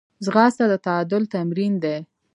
ځغاسته د تعادل تمرین دی